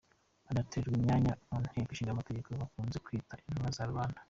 Abatorerwa imyanya mu nteko ishingamategeko bakunze kwitwa intumwa za rubanda.